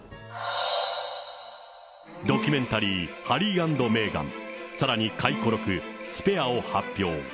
ドキュメンタリー、ハリー＆メーガン、さらに回顧録スペアを発表。